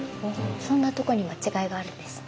そんなとこにも違いがあるんですね。